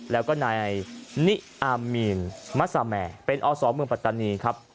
แล้วก็นายนิอามีนมัสซาแมร์เป็นอสมเมืองปัตตานีครับ